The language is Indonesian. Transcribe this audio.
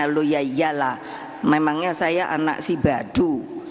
lo ya lah memangnya saya anak si badu